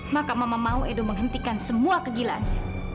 maka mama mau edo menghentikan semua kegilan